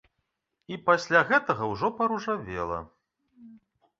І пасля гэтага ўжо паружавела.